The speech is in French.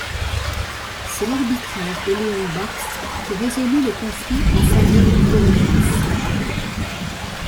C'est l'arbitrage de Léon Bakst qui résolut le conflit en faveur du chorégraphe.